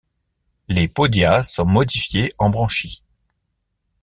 Les podia sont modifiés en branchies.